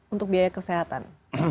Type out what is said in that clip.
untuk biaya kesehatan